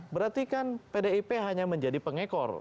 berarti kan pdip hanya menjadi pengekor